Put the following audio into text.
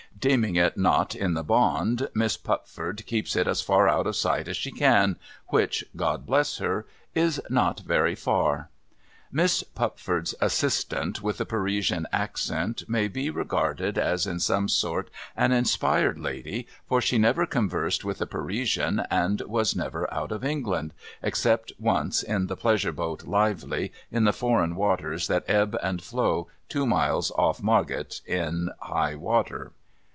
Deeming it not in the bond. Miss Pupford keeps it as far out of sight as she can — which (God bless her !) is not very far. Miss Pupford's assistant with the Parisian accent, may be regarded as in some sort an inspired lady, for she never conversed with a Parisian, and was never out of England — except once in the pleasure boat Lively, in the foreign waters that ebb and flow two miles oif Margate at high water.